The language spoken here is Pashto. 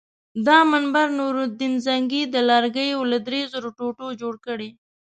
دا منبر نورالدین زنګي د لرګیو له درې زرو ټوټو جوړ کړی.